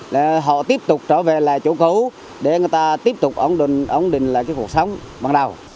để họ tiếp tục trở về lại chỗ cấu để người ta tiếp tục ổn định lại cuộc sống ban đầu